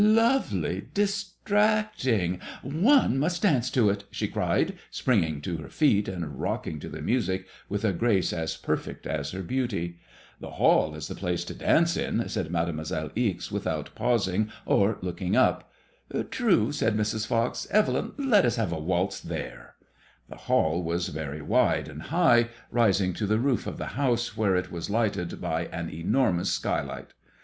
" Lovely ! Distracting I One must dance to it/' she cried, springing to her feet, and rocking to the music with a grace as perfect as her beauty. ''The hall is the place to f 74 MADBMOISBLLB VOL dance in/' said Mademoiselle Ixe, without pausing or looking up. "True/* said Mrs. Fox, *' Evelyn, let us have a waltz there/' The hall was very wide and high, rising to the roof of the house, where it was lighted by an enormous skylight.